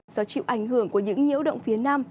do chịu ảnh hưởng của những nhiễu động phía nam